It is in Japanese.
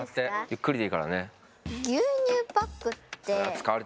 ゆっくりでいいからね。